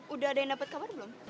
udah ada yang dapat kabar belum